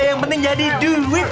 yang penting jadi duit